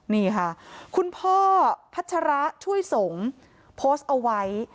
นี่ค่ะคุณพ่อพัชระช่วยสงฆ์โพสต์เอาไว้